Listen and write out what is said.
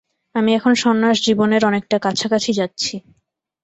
আমি এখন সন্ন্যাস-জীবনের অনেকটা কাছাকাছি যাচ্ছি।